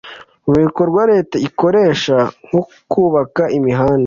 mu bikorwa Leta ikoresha nko kubaka imihanda